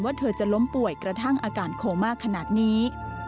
เธอจะล้มป่วยกระทั่งอาการโคม่าขนาดนี้